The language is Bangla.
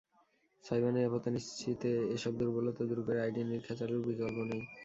সাইবার নিরাপত্তা নিশ্চিতে এসব দুর্বলতা দূর করে আইটি নিরীক্ষা চালুর বিকল্প নেই।